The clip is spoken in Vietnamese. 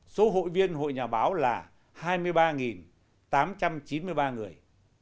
số hội viên hội nhà báo là hai mươi ba tám trăm chín mươi ba người